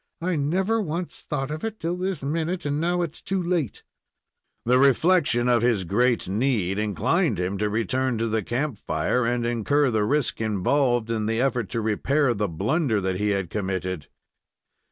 "I never once thought of it till this minute, and now it's too late!" The reflection of his great need inclined him to return to the camp fire and incur the risk involved in the effort to repair the blunder that he had committed.